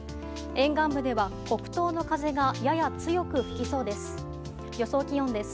沿岸部では、北東の風がやや強く吹きそうです。